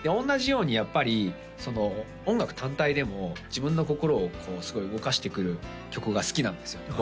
同じようにやっぱり音楽単体でも自分の心をこうすごい動かしてくる曲が好きなんですよ